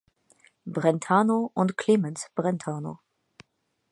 Brentano, und Clemens Brentano.